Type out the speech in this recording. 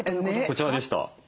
こちらでした。